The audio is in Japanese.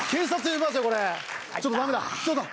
ちょっとダメだそうだ